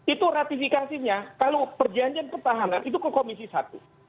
itu ratifikasinya kalau perjanjian pertahanan itu ke komisi satu